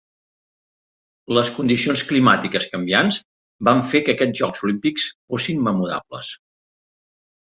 Les condicions climàtiques canviants van fer que aquests Jocs Olímpics fossin memorables.